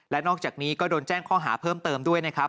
และนอกจากนี้ก็โดนแจ้งข้อหาเพิ่มเติมด้วยนะครับ